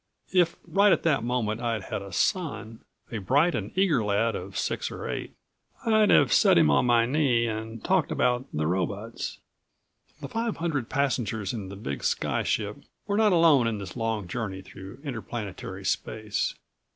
If right at that moment I'd had a son a bright and eager lad of six or eight I'd have set him on my knee and talked about the robots. The five hundred passengers in the big sky ship were not alone in the long journey through interplanetary space.